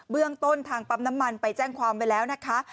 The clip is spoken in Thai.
เรื่องต้นทางปั๊มน้ำมันไปแจ้งความไว้แล้วนะคะ